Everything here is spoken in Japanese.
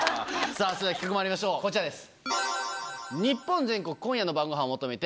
さぁそれでは企画まいりましょうこちらです。